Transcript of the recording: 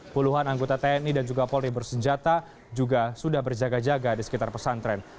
puluhan anggota tni dan juga polri bersenjata juga sudah berjaga jaga di sekitar pesantren